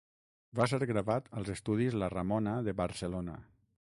Va ser gravat als estudis La Ramona de Barcelona.